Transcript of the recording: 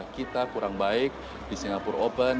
kita kurang baik di singapura open